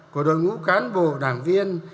của đội ngũ cán bộ đảng viên